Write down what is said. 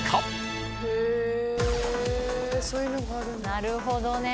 なるほどね。